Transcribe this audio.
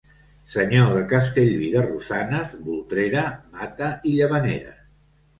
Senyor de Castellví de Rosanes, Voltrera, Mata i Llavaneres.